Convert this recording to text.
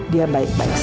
dia baik baik saja